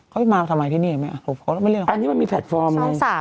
เขามาทำไมที่นี่ไหมอันนี้มันมีแพลตฟอร์มไง